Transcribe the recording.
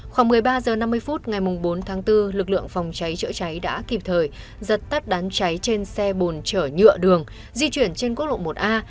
khoảng một mươi ba h năm mươi phút ngày bốn tháng bốn lực lượng phòng cháy chữa cháy đã kịp thời dập tắt đám cháy trên xe bồn chở nhựa đường di chuyển trên quốc lộ một a